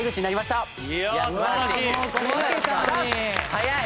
早い！